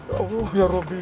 ya allah ya rabbi